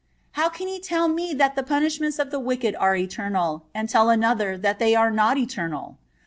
How can He tell me that the punishments of the wicked are eternal, and tell another that they are not eternal?